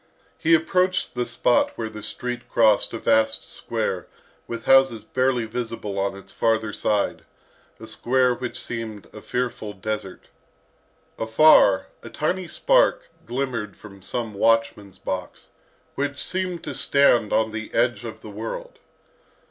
He approached the spot where the street crossed a vast square with houses barely visible on its farther side, a square which seemed a fearful desert. Afar, a tiny spark glimmered from some watchman's box, which seemed to stand on the edge of the world.